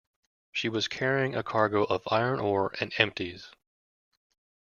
She was carrying a cargo of iron ore and empties.